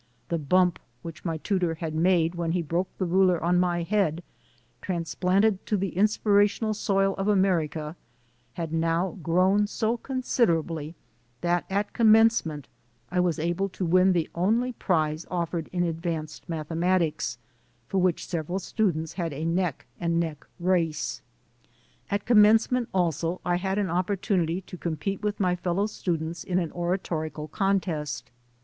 The bump which my tutor had made when he broke the ruler on my head, transplanted to the inspirational soil of America, had now grown so considerably that at Commencement I was able to win the only prize offered in advanced mathematics, for which several students had a neck and neck race. At Commencement also I had an opportunity to compete with my fellow students in an oratorical contest.